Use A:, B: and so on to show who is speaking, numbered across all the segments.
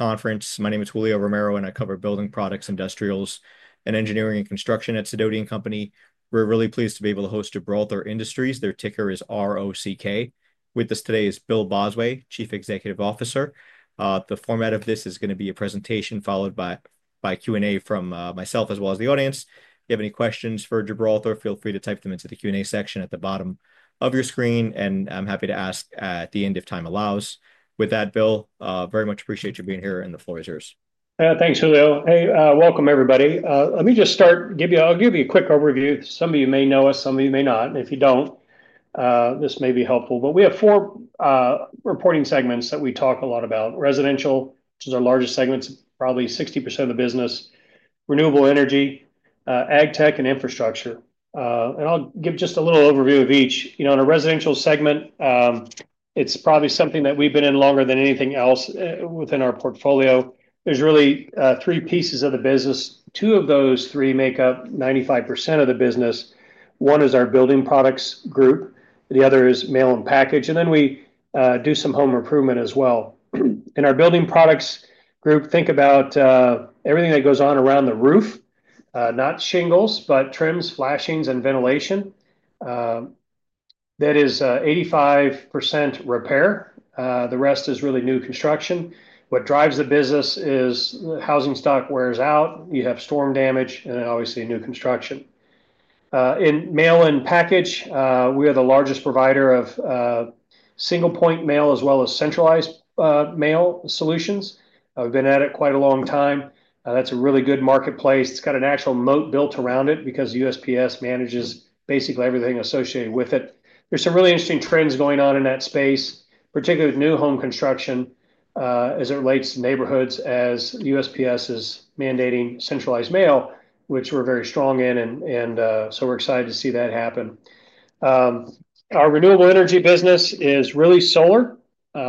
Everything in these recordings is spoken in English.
A: Conference. My name is Julio Romero, and I cover building products, industrials, and engineering and construction at Seaport Global Holdings. We're really pleased to be able to host Gibraltar Industries. Their ticker is ROCK. With us today is Bill Bosway, Chief Executive Officer. The format of this is going to be a presentation followed by Q&A from myself as well as the audience. If you have any questions for Gibraltar, feel free to type them into the Q&A section at the bottom of your screen, and I'm happy to ask at the end if time allows. With that, Bill, very much appreciate you being here, and the floor is yours.
B: Thanks, Julio. Hey, welcome, everybody. Let me just start. I'll give you a quick overview. Some of you may know us, some of you may not. If you don't, this may be helpful. We have four reporting segments that we talk a lot about: residential, which is our largest segment, probably 60% of the business; renewable energy; ag tech; and infrastructure. I'll give just a little overview of each. In the residential segment, it's probably something that we've been in longer than anything else within our portfolio. There are really three pieces of the business. Two of those three make up 95% of the business. One is our building products group. The other is mail and package. We do some home improvement as well. In our building products group, think about everything that goes on around the roof, not shingles, but trims, flashings, and ventilation. That is 85% repair. The rest is really new construction. What drives the business is housing stock wears out. You have storm damage, and then obviously new construction. In mail and package, we are the largest provider of single-point mail as well as centralized mail solutions. We've been at it quite a long time. That's a really good marketplace. It's got an actual moat built around it because USPS manages basically everything associated with it. There are some really interesting trends going on in that space, particularly with new home construction as it relates to neighborhoods, as USPS is mandating centralized mail, which we're very strong in. We are excited to see that happen. Our renewable energy business is really solar.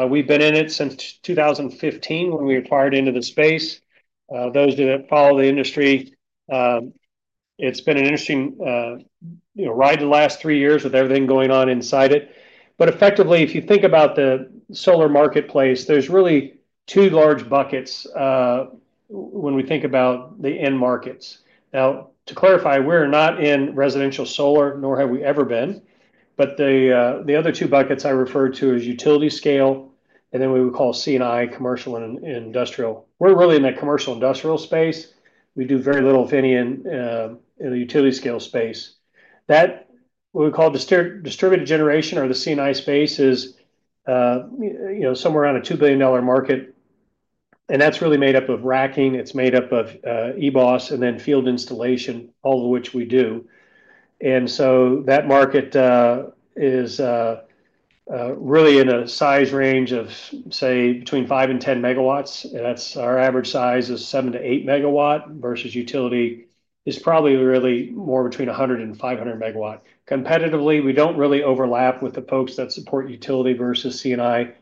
B: We've been in it since 2015 when we acquired into the space. Those that follow the industry, it's been an interesting ride the last three years with everything going on inside it. Effectively, if you think about the solar marketplace, there's really two large buckets when we think about the end markets. To clarify, we're not in residential solar, nor have we ever been. The other two buckets I refer to as utility scale, and then we would call C&I, commercial and industrial. We're really in the commercial-industrial space. We do very little, if any, in the utility scale space. What we call distributed generation or the C&I space is somewhere around a $2 billion market. That's really made up of racking. It's made up of EBOS and then field installation, all of which we do. That market is really in a size range of, say, between 5 and 10 megawatts. That's our average size is 7 to 8 megawatt versus utility is probably really more between 100 and 500 megawatt. Competitively, we don't really overlap with the folks that support utility versus C&I.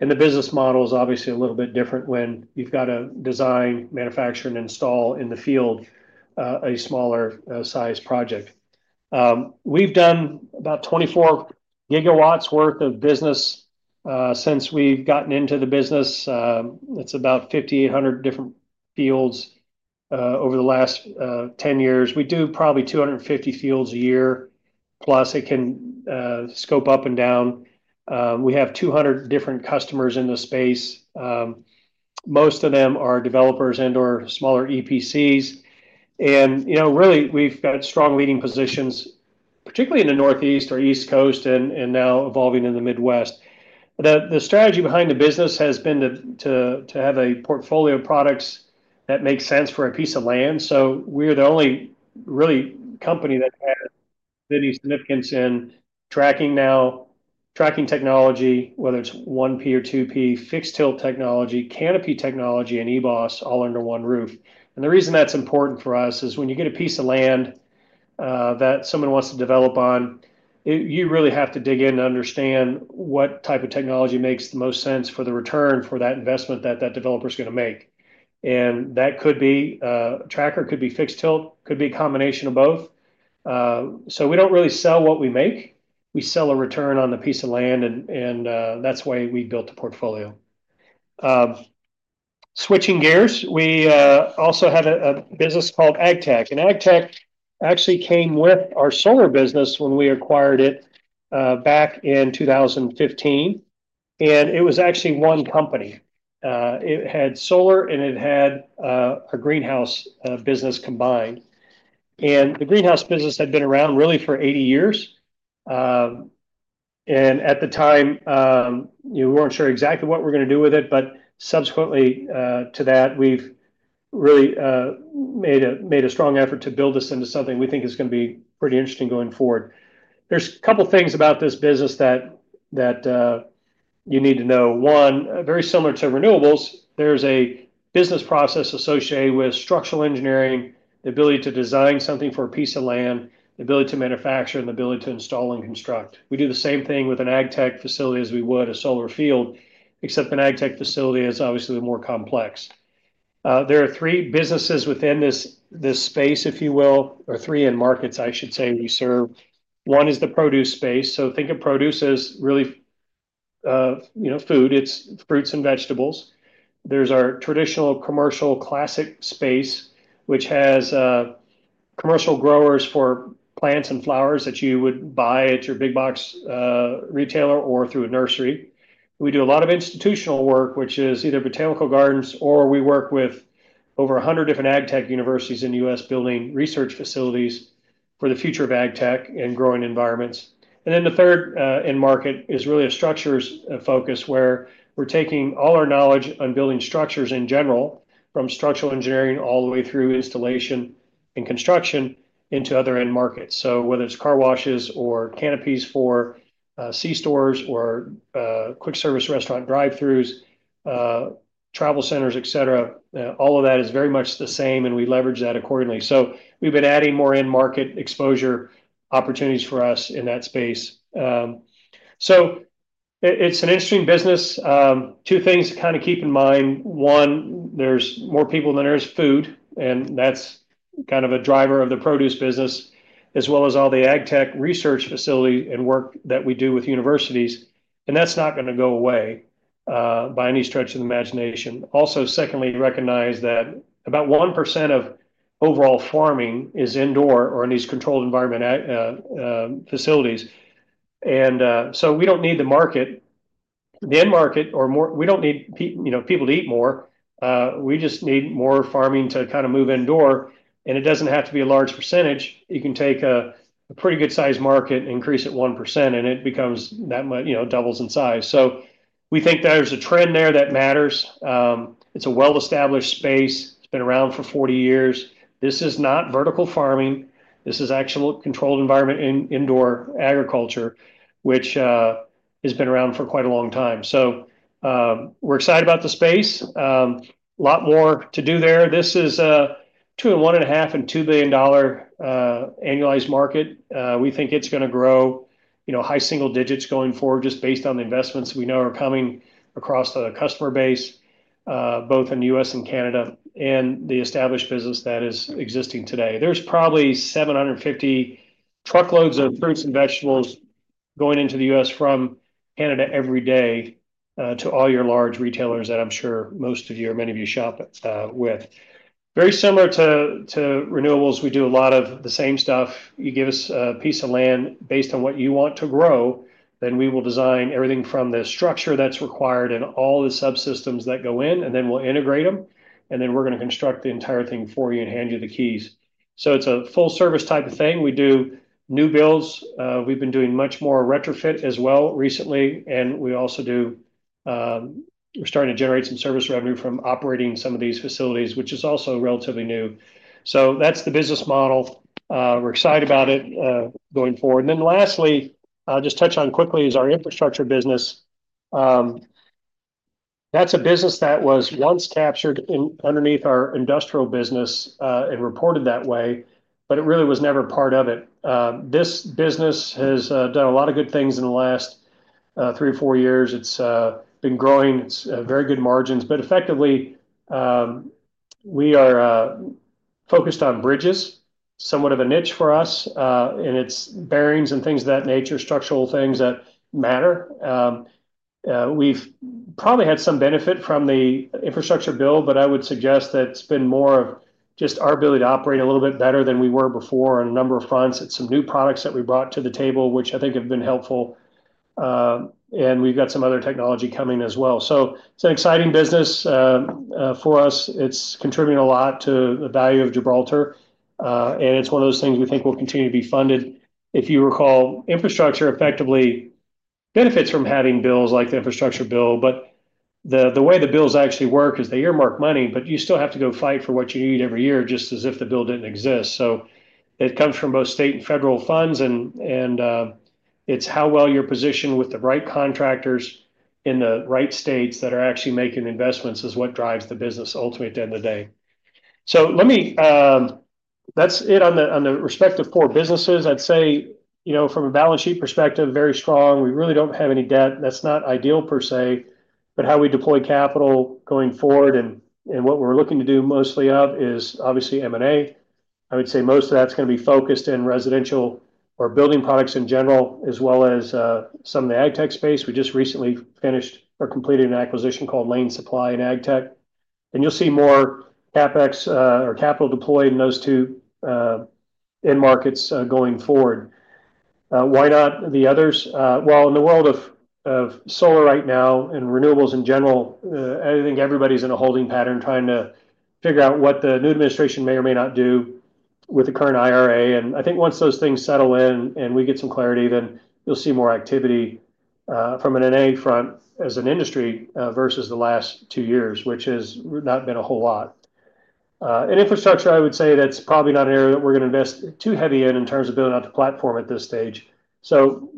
B: The business model is obviously a little bit different when you've got to design, manufacture, and install in the field a smaller-sized project. We've done about 24 gigawatts worth of business since we've gotten into the business. It's about 5,800 different fields over the last 10 years. We do probably 250 fields a year, plus it can scope up and down. We have 200 different customers in the space. Most of them are developers and/or smaller EPCs. Really, we've got strong leading positions, particularly in the Northeast or East Coast and now evolving in the Midwest. The strategy behind the business has been to have a portfolio of products that make sense for a piece of land. We are the only real company that has any significance in tracking now, tracking technology, whether it is 1P or 2P, fixed-tilt technology, canopy technology, and EBOS all under one roof. The reason that is important for us is when you get a piece of land that someone wants to develop on, you really have to dig in and understand what type of technology makes the most sense for the return for that investment that that developer is going to make. That could be a tracker, could be fixed-tilt, could be a combination of both. We do not really sell what we make. We sell a return on the piece of land, and that is why we built a portfolio. Switching gears, we also have a business called Ag Tech. Ag Tech actually came with our solar business when we acquired it back in 2015. It was actually one company. It had solar, and it had a greenhouse business combined. The greenhouse business had been around really for 80 years. At the time, we were not sure exactly what we were going to do with it. Subsequently to that, we have really made a strong effort to build this into something we think is going to be pretty interesting going forward. There are a couple of things about this business that you need to know. One, very similar to renewables, there is a business process associated with structural engineering, the ability to design something for a piece of land, the ability to manufacture, and the ability to install and construct. We do the same thing with an Ag Tech facility as we would a solar field, except an Ag Tech facility is obviously more complex. There are three businesses within this space, if you will, or three end markets, I should say, we serve. One is the produce space. Think of produce as really food. It is fruits and vegetables. There is our traditional commercial classic space, which has commercial growers for plants and flowers that you would buy at your big box retailer or through a nursery. We do a lot of institutional work, which is either botanical gardens or we work with over 100 different Ag Tech universities in the U.S. building research facilities for the future of Ag Tech and growing environments. The third end market is really a structures focus where we're taking all our knowledge on building structures in general from structural engineering all the way through installation and construction into other end markets. Whether it's car washes or canopies for c-stores or quick service restaurant drive-throughs, travel centers, etc., all of that is very much the same, and we leverage that accordingly. We've been adding more end market exposure opportunities for us in that space. It's an interesting business. Two things to kind of keep in mind. One, there's more people than there is food, and that's kind of a driver of the produce business, as well as all the Ag Tech research facility and work that we do with universities. That's not going to go away by any stretch of the imagination. Also, secondly, recognize that about 1% of overall farming is indoor or in these controlled environment facilities. We do not need the market, the end market, or we do not need people to eat more. We just need more farming to kind of move indoor. It does not have to be a large percentage. You can take a pretty good size market, increase it 1%, and it becomes that much, doubles in size. We think there is a trend there that matters. It is a well-established space. It has been around for 40 years. This is not vertical farming. This is actual controlled environment indoor agriculture, which has been around for quite a long time. We are excited about the space. A lot more to do there. This is $1.5 billion-$2 billion annualized market. We think it's going to grow high single digits going forward just based on the investments we know are coming across the customer base, both in the U.S. and Canada and the established business that is existing today. There's probably 750 truckloads of fruits and vegetables going into the U.S. from Canada every day to all your large retailers that I'm sure most of you or many of you shop with. Very similar to renewables, we do a lot of the same stuff. You give us a piece of land based on what you want to grow, then we will design everything from the structure that's required and all the subsystems that go in, and then we'll integrate them, and then we're going to construct the entire thing for you and hand you the keys. It's a full-service type of thing. We do new builds. We've been doing much more retrofit as well recently. We also do, we're starting to generate some service revenue from operating some of these facilities, which is also relatively new. That's the business model. We're excited about it going forward. Lastly, I'll just touch on quickly is our infrastructure business. That's a business that was once captured underneath our industrial business and reported that way, but it really was never part of it. This business has done a lot of good things in the last three or four years. It's been growing. It's very good margins. Effectively, we are focused on bridges, somewhat of a niche for us, and it's bearings and things of that nature, structural things that matter. We've probably had some benefit from the infrastructure bill, but I would suggest that it's been more of just our ability to operate a little bit better than we were before on a number of fronts. It's some new products that we brought to the table, which I think have been helpful. We've got some other technology coming as well. It is an exciting business for us. It's contributing a lot to the value of Gibraltar. It's one of those things we think will continue to be funded. If you recall, infrastructure effectively benefits from having bills like the infrastructure bill. The way the bills actually work is they earmark money, but you still have to go fight for what you need every year just as if the bill did not exist. It comes from both state and federal funds. It is how well you're positioned with the right contractors in the right states that are actually making investments is what drives the business ultimately at the end of the day. That is it on the respective four businesses. I'd say from a balance sheet perspective, very strong. We really do not have any debt. That is not ideal per se. How we deploy capital going forward and what we're looking to do mostly of is obviously M&A. I would say most of that is going to be focused in residential or building products in general, as well as some of the Ag Tech space. We just recently finished or completed an acquisition called Lane Supply in Ag Tech. You will see more CapEx or capital deployed in those two end markets going forward. Why not the others? In the world of solar right now and renewables in general, I think everybody's in a holding pattern trying to figure out what the new administration may or may not do with the current IRA. I think once those things settle in and we get some clarity, then you'll see more activity from an M&A front as an industry versus the last two years, which has not been a whole lot. In infrastructure, I would say that's probably not an area that we're going to invest too heavy in in terms of building out the platform at this stage.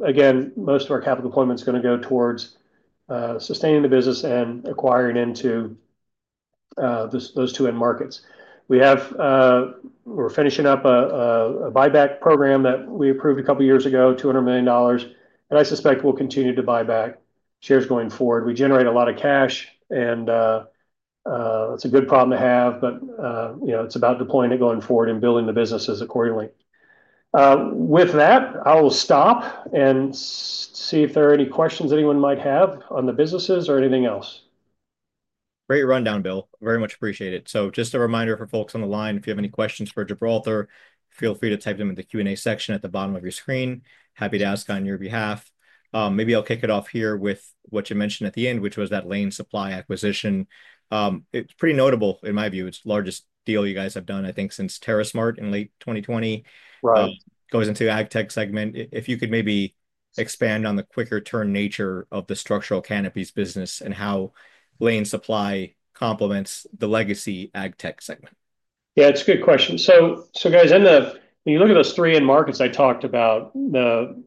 B: Again, most of our capital deployment is going to go towards sustaining the business and acquiring into those two end markets. We're finishing up a buyback program that we approved a couple of years ago, $200 million. I suspect we'll continue to buy back shares going forward. We generate a lot of cash, and it's a good problem to have, but it's about deploying it going forward and building the businesses accordingly. With that, I will stop and see if there are any questions anyone might have on the businesses or anything else.
A: Great rundown, Bill. Very much appreciate it. Just a reminder for folks on the line, if you have any questions for Gibraltar, feel free to type them in the Q&A section at the bottom of your screen. Happy to ask on your behalf. Maybe I'll kick it off here with what you mentioned at the end, which was that Lane Supply acquisition. It's pretty notable, in my view, it's the largest deal you guys have done, I think, since TerraSmart in late 2020. It goes into Ag Tech segment. If you could maybe expand on the quicker turn nature of the structural canopies business and how Lane Supply complements the legacy Ag Tech segment.
B: Yeah, it's a good question. Guys, when you look at those three end markets I talked about, the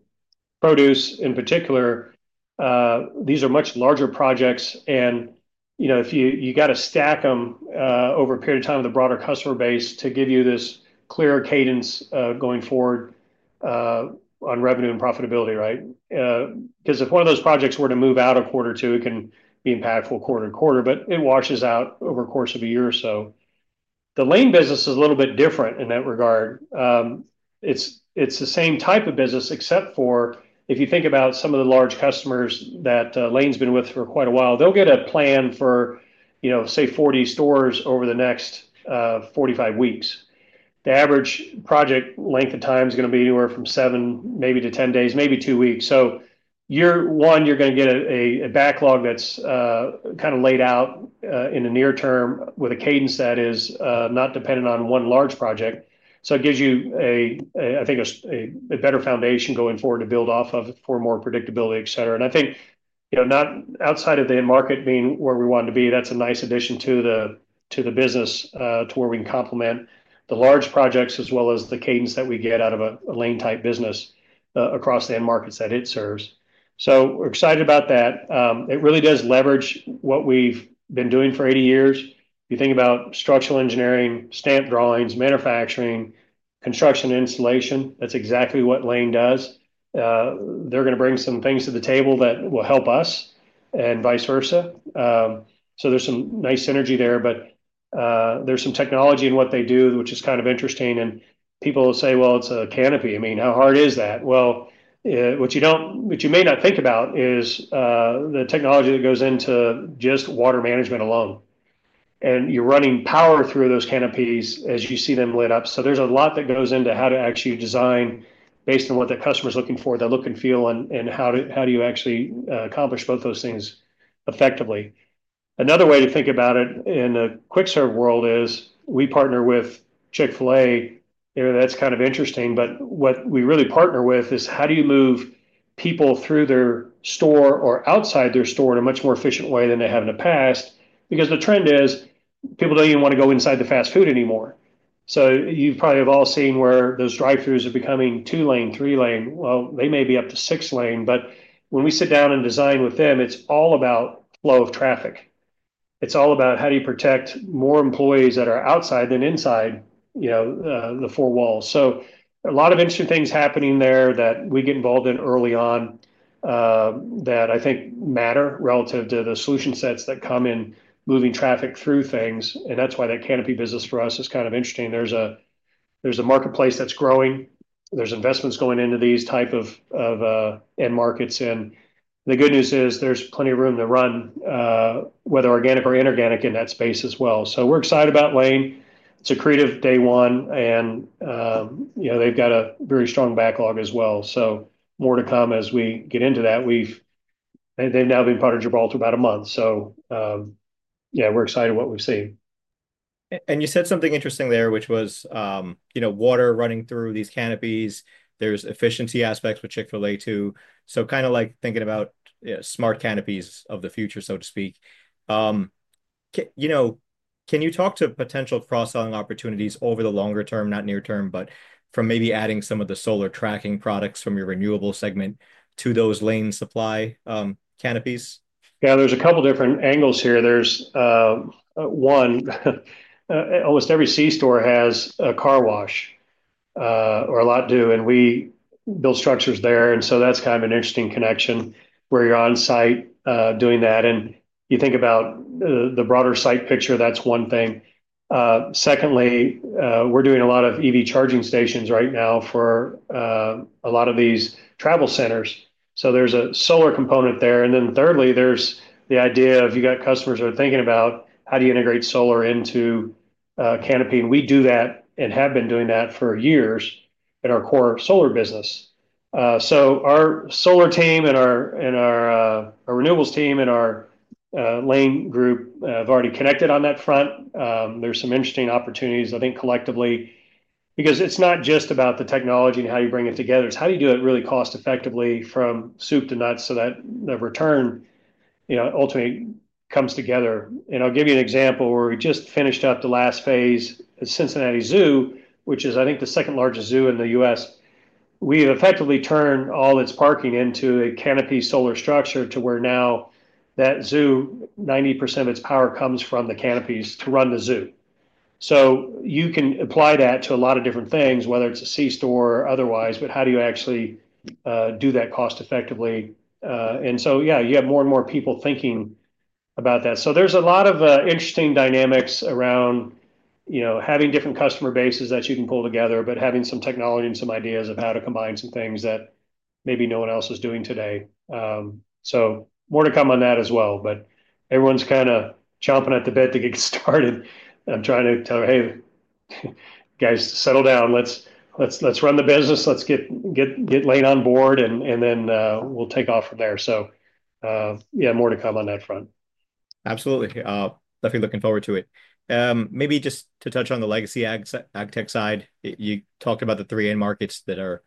B: produce in particular, these are much larger projects. If you got to stack them over a period of time with a broader customer base to give you this clearer cadence going forward on revenue and profitability, right? Because if one of those projects were to move out a quarter or two, it can be impactful quarter to quarter, but it washes out over the course of a year or so. The Lane business is a little bit different in that regard. It's the same type of business, except for if you think about some of the large customers that Lane's been with for quite a while, they'll get a plan for, say, 40 stores over the next 45 weeks. The average project length of time is going to be anywhere from seven, maybe to 10 days, maybe two weeks. Year one, you're going to get a backlog that's kind of laid out in the near term with a cadence that is not dependent on one large project. It gives you, I think, a better foundation going forward to build off of for more predictability, etc. I think outside of the end market being where we want to be, that's a nice addition to the business to where we can complement the large projects as well as the cadence that we get out of a Lane-type business across the end markets that it serves. We are excited about that. It really does leverage what we have been doing for 80 years. If you think about structural engineering, stamp drawings, manufacturing, construction, installation, that is exactly what Lane does. They are going to bring some things to the table that will help us and vice versa. There is some nice synergy there, but there is some technology in what they do, which is kind of interesting. People will say, "Well, it is a canopy. I mean, how hard is that?" What you may not think about is the technology that goes into just water management alone. You are running power through those canopies as you see them lit up. There is a lot that goes into how to actually design based on what the customer is looking for, the look and feel, and how you actually accomplish both those things effectively. Another way to think about it in the quick-serve world is we partner with Chick-fil-A. That is kind of interesting. What we really partner with is how you move people through their store or outside their store in a much more efficient way than they have in the past. The trend is people do not even want to go inside the fast food anymore. You probably have all seen where those drive-throughs are becoming two-lane, three-lane. They may be up to six-lane. When we sit down and design with them, it is all about flow of traffic. It's all about how do you protect more employees that are outside than inside the four walls. A lot of interesting things happening there that we get involved in early on that I think matter relative to the solution sets that come in moving traffic through things. That's why that canopy business for us is kind of interesting. There's a marketplace that's growing. There's investments going into these types of end markets. The good news is there's plenty of room to run, whether organic or inorganic in that space as well. We're excited about Lane. It's accretive day one, and they've got a very strong backlog as well. More to come as we get into that. They've now been part of Gibraltar about a month. We're excited about what we've seen.
A: You said something interesting there, which was water running through these canopies. There's efficiency aspects with Chick-fil-A too. Kind of like thinking about smart canopies of the future, so to speak. Can you talk to potential cross-selling opportunities over the longer term, not near term, but from maybe adding some of the solar tracking products from your renewable segment to those Lane Supply canopies?
B: Yeah, there's a couple of different angles here. There's one. Almost every c-store has a car wash or a lot to do, and we build structures there. That's kind of an interesting connection where you're on site doing that. You think about the broader site picture, that's one thing. Secondly, we're doing a lot of EV charging stations right now for a lot of these travel centers. There's a solar component there. Thirdly, there's the idea of you got customers that are thinking about how do you integrate solar into canopy. We do that and have been doing that for years in our core solar business. Our solar team and our renewables team and our Lane group have already connected on that front. There's some interesting opportunities, I think, collectively. Because it's not just about the technology and how you bring it together. It's how do you do it really cost-effectively from soup to nuts so that the return ultimately comes together. I'll give you an example where we just finished up the last phase at Cincinnati Zoo, which is, I think, the second largest zoo in the U.S. We have effectively turned all its parking into a canopy solar structure to where now that zoo, 90% of its power comes from the canopies to run the zoo. You can apply that to a lot of different things, whether it's a c-store or otherwise, but how do you actually do that cost-effectively? Yeah, you have more and more people thinking about that. There are a lot of interesting dynamics around having different customer bases that you can pull together, but having some technology and some ideas of how to combine some things that maybe no one else is doing today. More to come on that as well. Everyone's kind of chomping at the bit to get started. I'm trying to tell her, "Hey, guys, settle down. Let's run the business. Let's get Lane on board, and then we'll take off from there. Yeah, more to come on that front. Absolutely. Definitely looking forward to it. Maybe just to touch on the legacy Ag Tech side, you talked about the three end markets that are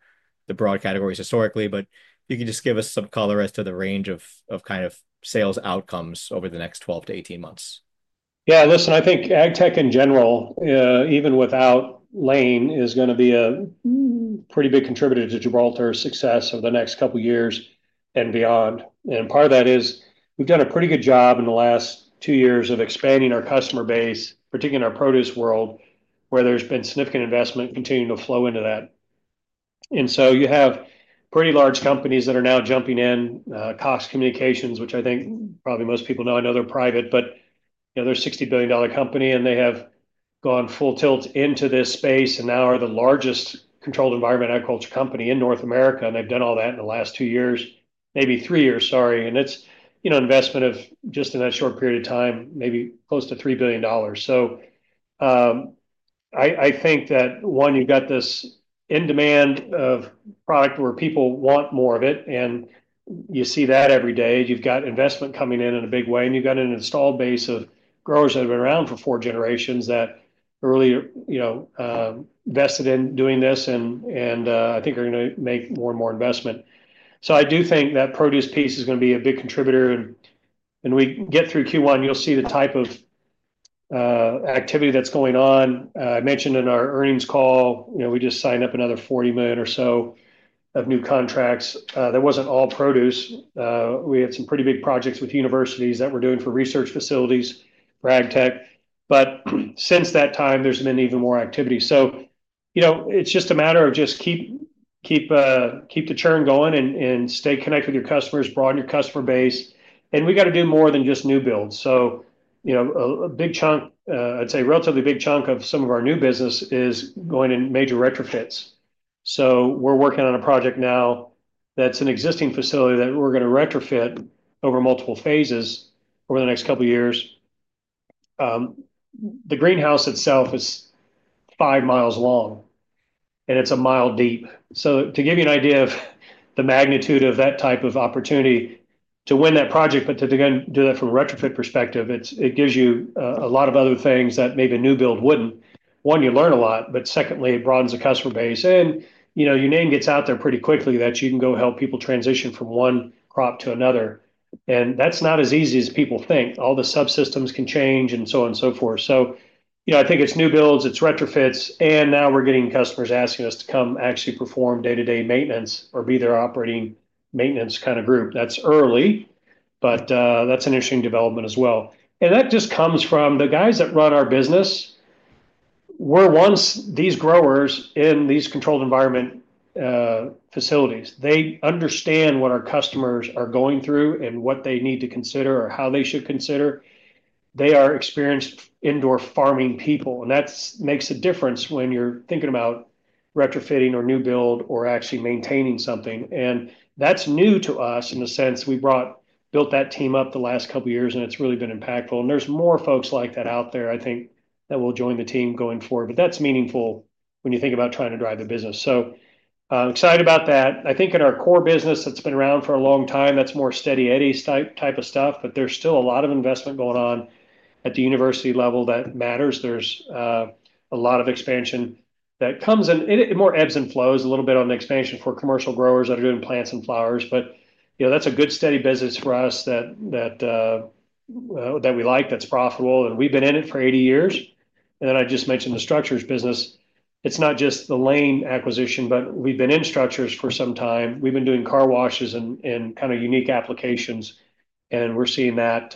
B: the broad categories historically, but if you can just give us some color as to the range of kind of sales outcomes over the next 12 to 18 months. Yeah, listen, I think Ag Tech in general, even without Lane, is going to be a pretty big contributor to Gibraltar's success over the next couple of years and beyond. Part of that is we've done a pretty good job in the last two years of expanding our customer base, particularly in our produce world, where there's been significant investment continuing to flow into that. You have pretty large companies that are now jumping in, Cox Communications, which I think probably most people know. I know they're private, but they're a $60 billion company, and they have gone full tilt into this space and now are the largest controlled environment agriculture company in North America. They've done all that in the last two years, maybe three years, sorry. It is an investment of just in that short period of time, maybe close to $3 billion. I think that, one, you've got this in-demand product where people want more of it, and you see that every day. You've got investment coming in in a big way, and you've got an installed base of growers that have been around for four generations that really invested in doing this and I think are going to make more and more investment. I do think that produce piece is going to be a big contributor. When we get through Q1, you'll see the type of activity that's going on. I mentioned in our earnings call, we just signed up another $40 million or so of new contracts. That wasn't all produce. We had some pretty big projects with universities that we're doing for research facilities, for Ag Tech. Since that time, there's been even more activity. It is just a matter of just keep the churn going and stay connected with your customers, broaden your customer base. We got to do more than just new builds. A big chunk, I'd say relatively big chunk of some of our new business is going in major retrofits. We're working on a project now that's an existing facility that we're going to retrofit over multiple phases over the next couple of years. The greenhouse itself is five miles long, and it's a mile deep. To give you an idea of the magnitude of that type of opportunity to win that project, but to then do that from a retrofit perspective, it gives you a lot of other things that maybe a new build wouldn't. One, you learn a lot, but secondly, it broadens the customer base. Your name gets out there pretty quickly that you can go help people transition from one crop to another. That's not as easy as people think. All the subsystems can change and so on and so forth. I think it's new builds, it's retrofits, and now we're getting customers asking us to come actually perform day-to-day maintenance or be their operating maintenance kind of group. That's early, but that's an interesting development as well. That just comes from the guys that run our business. We were once these growers in these controlled environment facilities. They understand what our customers are going through and what they need to consider or how they should consider. They are experienced indoor farming people. That makes a difference when you're thinking about retrofitting or new build or actually maintaining something. That's new to us in the sense we built that team up the last couple of years, and it's really been impactful. There's more folks like that out there, I think, that will join the team going forward. That is meaningful when you think about trying to drive the business. I am excited about that. I think in our core business that has been around for a long time, that is more steady eddy type of stuff, but there is still a lot of investment going on at the university level that matters. There is a lot of expansion that comes in. It more ebbs and flows a little bit on the expansion for commercial growers that are doing plants and flowers. That is a good steady business for us that we like, that is profitable. We have been in it for 80 years. I just mentioned the structures business. It is not just the Lane acquisition, but we have been in structures for some time. We have been doing car washes and kind of unique applications, and we are seeing that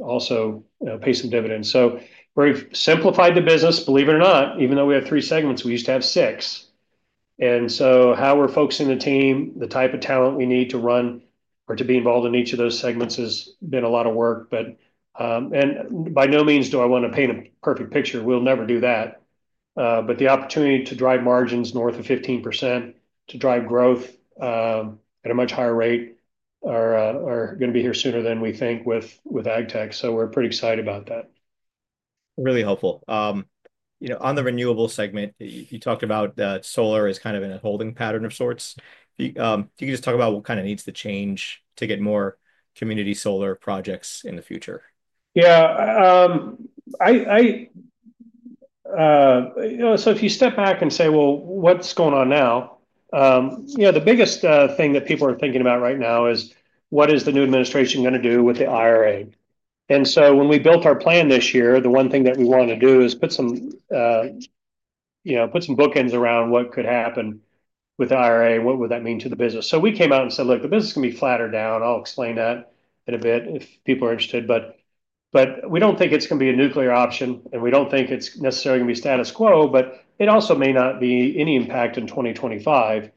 B: also pay some dividends. We have simplified the business, believe it or not, even though we have three segments, we used to have six. How we are focusing the team, the type of talent we need to run or to be involved in each of those segments has been a lot of work. By no means do I want to paint a perfect picture. We will never do that. The opportunity to drive margins north of 15%, to drive growth at a much higher rate, are going to be here sooner than we think with Ag Tech. We are pretty excited about that.
A: Really helpful. On the renewable segment, you talked about solar as kind of in a holding pattern of sorts. Can you just talk about what kind of needs to change to get more community solar projects in the future?
B: Yeah. If you step back and say, "Well, what's going on now?" The biggest thing that people are thinking about right now is what is the new administration going to do with the IRA? When we built our plan this year, the one thing that we wanted to do is put some bookends around what could happen with the IRA, what would that mean to the business? We came out and said, "Look, the business is going to be flat or down." I'll explain that in a bit if people are interested. We don't think it's going to be a nuclear option, and we don't think it's necessarily going to be status quo, but it also may not be any impact in 2025.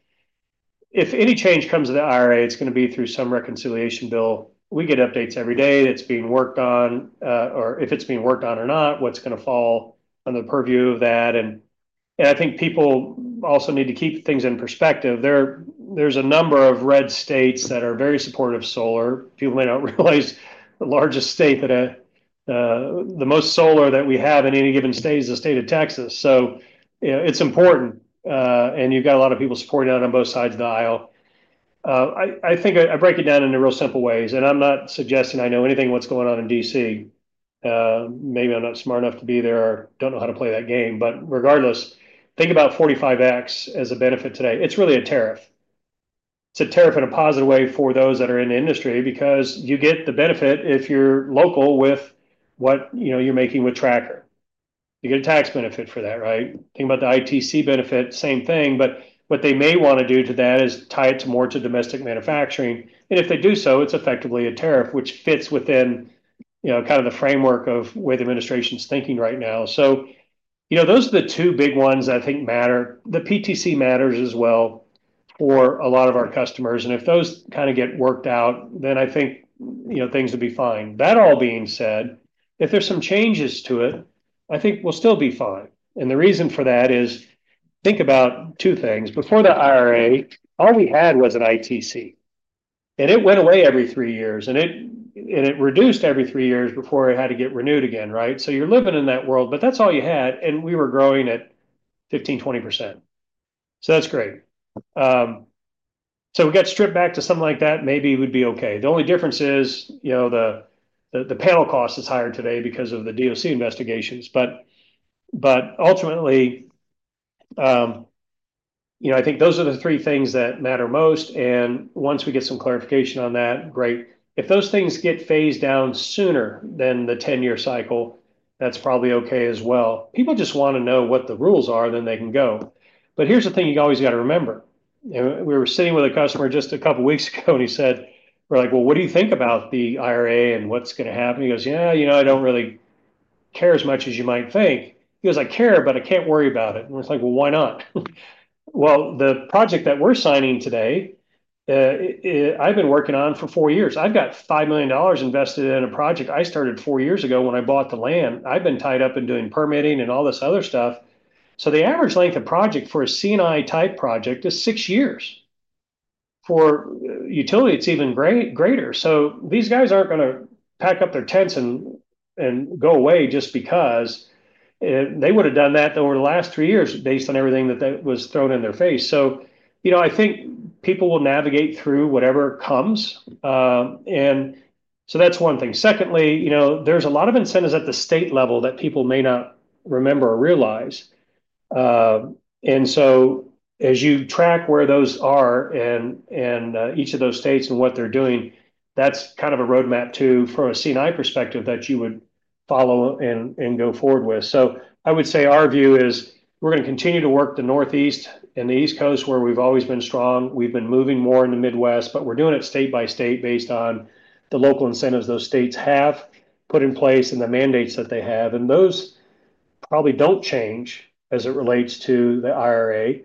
B: If any change comes to the IRA, it's going to be through some reconciliation bill. We get updates every day. It's being worked on. If it's being worked on or not, what's going to fall under the purview of that? I think people also need to keep things in perspective. There's a number of red states that are very supportive of solar. People may not realize the largest state that the most solar that we have in any given state is the state of Texas. It's important, and you've got a lot of people supporting it on both sides of the aisle. I think I break it down into real simple ways. I'm not suggesting I know anything what's going on in D.C. Maybe I'm not smart enough to be there or don't know how to play that game. Regardless, think about 45X as a benefit today. It's really a tariff. It's a tariff in a positive way for those that are in the industry because you get the benefit if you're local with what you're making with Tracker. You get a tax benefit for that, right? Think about the ITC benefit, same thing. What they may want to do to that is tie it more to domestic manufacturing. If they do so, it's effectively a tariff, which fits within kind of the framework of where the administration's thinking right now. Those are the two big ones that I think matter. The PTC matters as well for a lot of our customers. If those kind of get worked out, then I think things will be fine. That all being said, if there's some changes to it, I think we'll still be fine. The reason for that is think about two things. Before the IRA, all we had was an ITC. It went away every three years, and it reduced every three years before it had to get renewed again, right? You are living in that world, but that is all you had, and we were growing at 15%-20%. That is great. If we got stripped back to something like that, maybe it would be okay. The only difference is the panel cost is higher today because of the DOC investigations. Ultimately, I think those are the three things that matter most. Once we get some clarification on that, great. If those things get phased down sooner than the 10-year cycle, that is probably okay as well. People just want to know what the rules are, then they can go. Here is the thing you always got to remember. We were sitting with a customer just a couple of weeks ago, and he said, "We're like, well, what do you think about the IRA and what's going to happen?" He goes, "Yeah, I don't really care as much as you might think." He goes, "I care, but I can't worry about it." We're like, "Well, why not?" The project that we're signing today, I've been working on for four years. I've got $5 million invested in a project I started four years ago when I bought the land. I've been tied up in doing permitting and all this other stuff. The average length of project for a C&I type project is six years. For utility, it's even greater. These guys aren't going to pack up their tents and go away just because. They would have done that over the last three years based on everything that was thrown in their face. I think people will navigate through whatever comes. That is one thing. Secondly, there are a lot of incentives at the state level that people may not remember or realize. As you track where those are in each of those states and what they are doing, that is kind of a roadmap too, from a C&I perspective, that you would follow and go forward with. I would say our view is we are going to continue to work the Northeast and the East Coast where we have always been strong. We have been moving more in the Midwest, but we are doing it state by state based on the local incentives those states have put in place and the mandates that they have. Those probably do not change as it relates to the IRA,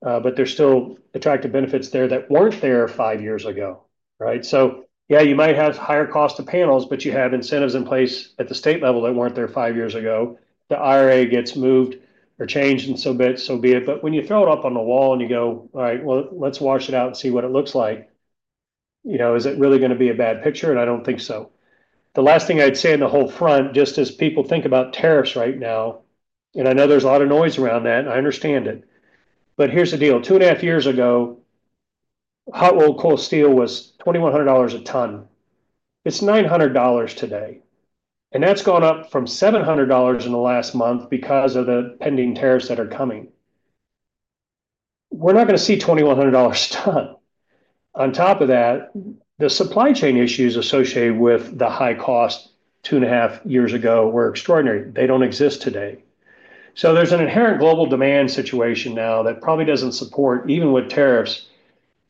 B: but there are still attractive benefits there that were not there five years ago, right? You might have higher cost of panels, but you have incentives in place at the state level that were not there five years ago. The IRA gets moved or changed and so be it. When you throw it up on the wall and you go, "All right, let's wash it out and see what it looks like," is it really going to be a bad picture? I do not think so. The last thing I would say in the whole front, just as people think about tariffs right now, and I know there is a lot of noise around that, and I understand it. Here is the deal. Two and a half years ago, hot rolled coil steel was $2,100 a ton. It is $900 today. That has gone up from $700 in the last month because of the pending tariffs that are coming. We are not going to see $2,100 a ton. On top of that, the supply chain issues associated with the high cost two and a half years ago were extraordinary. They do not exist today. There is an inherent global demand situation now that probably does not support, even with tariffs,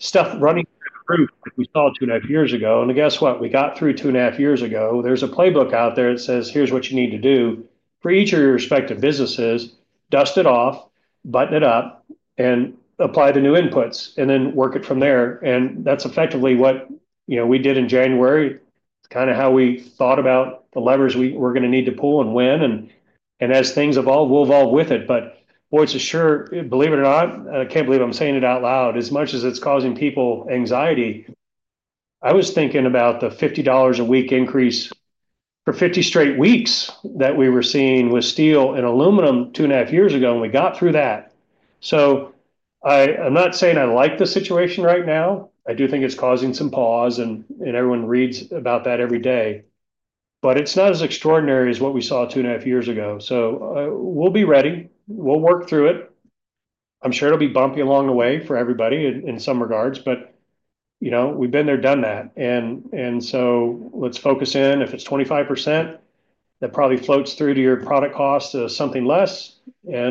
B: stuff running through like we saw two and a half years ago. Guess what? We got through two and a half years ago. There is a playbook out there that says, "Here is what you need to do for each of your respective businesses. Dust it off, button it up, and apply the new inputs, and then work it from there. That is effectively what we did in January, kind of how we thought about the levers we were going to need to pull and when. As things evolve, we will evolve with it. Boy, it is uncertain, believe it or not, and I cannot believe I am saying it out loud, as much as it is causing people anxiety, I was thinking about the $50 a week increase for 50 straight weeks that we were seeing with steel and aluminum two and a half years ago, and we got through that. I am not saying I like the situation right now. I do think it is causing some pause, and everyone reads about that every day. It is not as extraordinary as what we saw two and a half years ago. We will be ready. We'll work through it. I'm sure it'll be bumpy along the way for everybody in some regards, but we've been there, done that. Let's focus in. If it's 25%, that probably floats through to your product cost, something less. There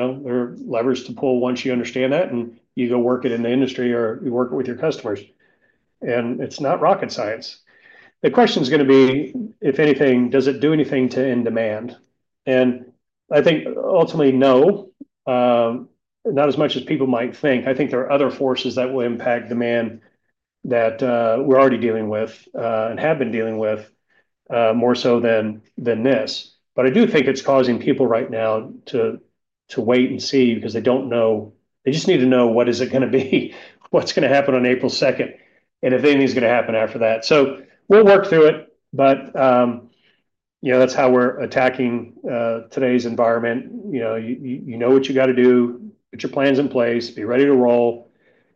B: are levers to pull once you understand that, and you go work it in the industry or you work it with your customers. It's not rocket science. The question is going to be, if anything, does it do anything to end demand? I think ultimately, no, not as much as people might think. I think there are other forces that will impact demand that we're already dealing with and have been dealing with more so than this. I do think it's causing people right now to wait and see because they don't know. They just need to know what is it going to be, what's going to happen on April 2nd, and if anything's going to happen after that. We'll work through it, but that's how we're attacking today's environment. You know what you got to do, put your plans in place, be ready to roll.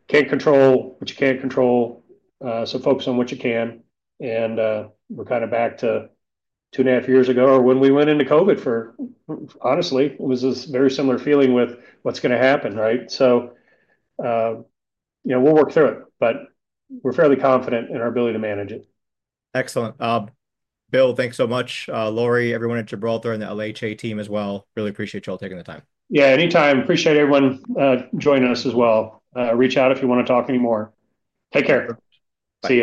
B: Can't control what you can't control, so focus on what you can. We're kind of back to two and a half years ago or when we went into COVID for, honestly, it was a very similar feeling with what's going to happen, right? We'll work through it, but we're fairly confident in our ability to manage it.
A: Excellent. Bill, thanks so much. Lori, everyone at Gibraltar and the LHA team as well. Really appreciate y'all taking the time.
B: Yeah, anytime. Appreciate everyone joining us as well. Reach out if you want to talk anymore.
A: Take care. Thanks.